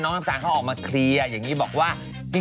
โฟร์บัตรว่าจริงเธอออกมาเคลียร์